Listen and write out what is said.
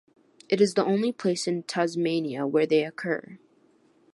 It is the only place in Tasmania where they occur.